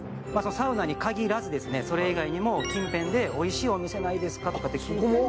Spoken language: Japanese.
サウナに限らず、それ以外も近辺でおいしいお店ないですかとか聞いても。